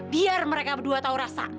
biar mereka berdua tahu rasa